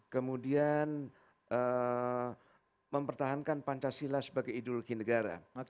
kemudian mempertahankan pancasila sebagai ideologi negara